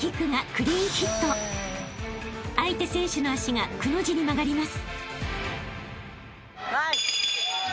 ［相手選手の脚がくの字に曲がります］